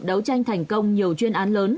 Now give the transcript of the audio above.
đấu tranh thành công nhiều chuyên án lớn